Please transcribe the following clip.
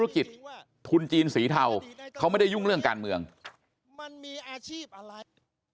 คุณไปเปิดดูได้เลย